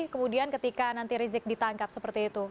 kemudian ketika nanti rizik ditangkap seperti itu